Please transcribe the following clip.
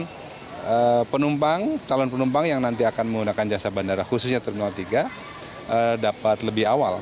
jadi penumpang calon penumpang yang nanti akan menggunakan jasa bandara khususnya terminal tiga dapat lebih awal